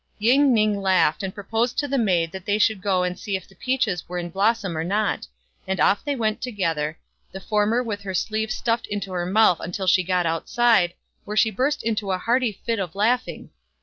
Ying ning laughed, and proposed to the maid that they should go and see if the peaches were in blossom or not ; and off they went together, the former with her sleeve stuffed into her mouth until she got outside, where she burst into a hearty fit of laughing.